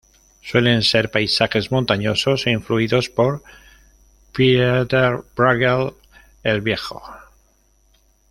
Suelen ser paisajes montañosos, influidos por Pieter Brueghel el Viejo.